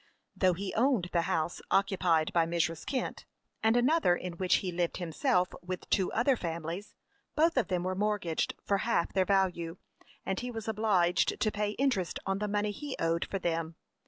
Though he owned the house occupied by Mrs. Kent, and another in which he lived himself with two other families, both of them were mortgaged for half their value, and he was obliged to pay interest on the money he owed for them.